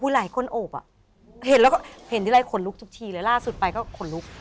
หลายคนโอบอะเห็นทีไรขนลุกทุกทีเลยล่าสุดไปก็ขนลุก